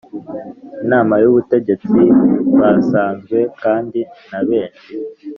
Inama y ubutegetsi basanzwe kandi n abenshi